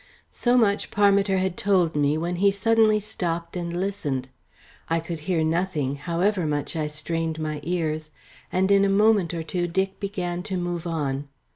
So much Parmiter had told me when he suddenly stopped and listened. I could hear nothing, however much I strained my ears, and in a moment or two Dick began to move on.